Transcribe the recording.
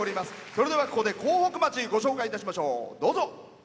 それではここで江北町、ご紹介いたしましょう。